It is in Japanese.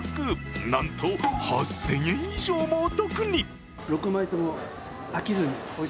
なんと８０００円以上もお得に。